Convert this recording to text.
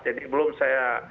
jadi belum saya